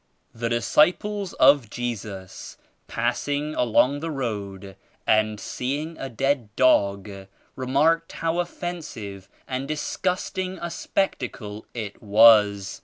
The disciples of Jesus passing along the road and seeing a dead dog, remarked how offensive and disgusting a spectacle it was.